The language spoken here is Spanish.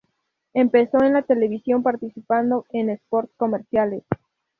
Empezó en la televisión participando en spots comerciales.